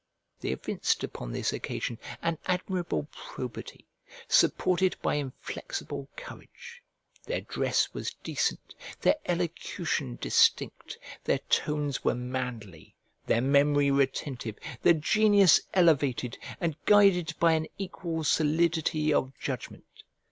They evinced upon this occasion an admirable probity, supported by inflexible courage: their dress was decent, their elocution distinct, their tones were manly, their memory retentive, their genius elevated, and guided by an equal solidity of judgment.